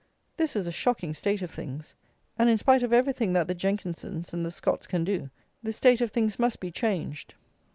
This is a shocking state of things; and, in spite of everything that the Jenkinsons and the Scots can do, this state of things must be changed.